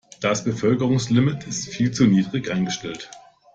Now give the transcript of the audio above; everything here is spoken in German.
Das Bevölkerungslimit ist viel zu niedrig eingestellt.